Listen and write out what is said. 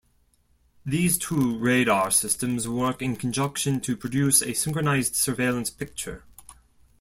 These two radar systems work in conjunction to produce a synchronized surveillance picture.